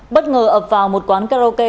bất ngờ ập vào một quán karaoke